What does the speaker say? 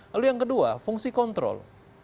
lalu yang kedua fungsi kontrol